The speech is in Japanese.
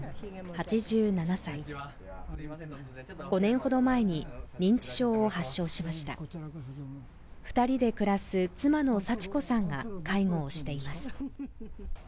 ８７歳５年ほど前に認知症を発症しました二人で暮らす妻の佐智子さんが介護をしています